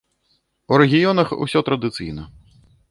У рэгіёнах усё традыцыйна.